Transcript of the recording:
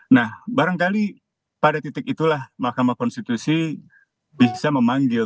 nah barangkali pada titik itulah mahkamah konstitusi bisa memanggil